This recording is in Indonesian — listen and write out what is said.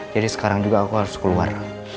jadi sekarang juga aku harus keluar